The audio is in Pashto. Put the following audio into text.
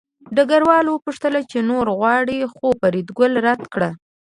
ډګروال وپوښتل چې نورې غواړې خو فریدګل رد کړه